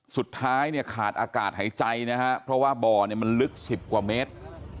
สุดท้ายขาดอากาศหายใจนะครับเพราะว่าเบาะมันลึก๑๐กว่าเมตร